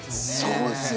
そうですよ。